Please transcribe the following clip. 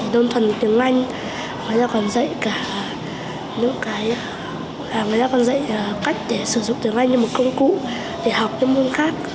đơn thuần tiếng anh người ta còn dạy cách để sử dụng tiếng anh như một công cụ để học các môn khác